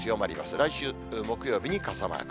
来週木曜日に傘マーク。